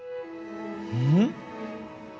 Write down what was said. うん？